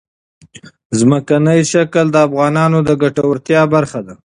ځمکنی شکل د افغانانو د ګټورتیا برخه ده.